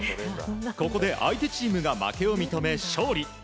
ここで相手チームが負けを認め勝利。